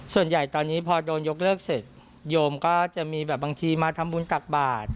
ส่วนใหญ่ตอนนี้พอโดนยกเลิกเสร็จโยมก็จะมีแบบบางทีมาทำบุญตักบาท